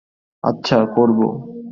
আচ্ছা, করব।